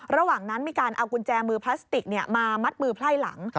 ระหว่างนั้นมีการเอากุญแจมือพลาสติกมามัดมือไพ่หลัง